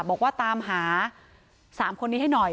บอกว่าตามหา๓คนนี้ให้หน่อย